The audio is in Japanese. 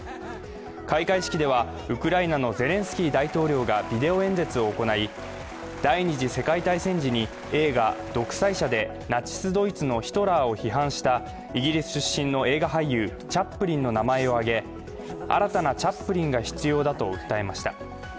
開会式ではウクライナのゼレンスキー大統領がビデオ演説を行い、第二次世界大戦時に映画「独裁者」でナチス・ドイツのヒトラーを批判したイギリス出身の映画俳優、チャップリンの名前を挙げ、新たなチャップリンが必要だと訴えました。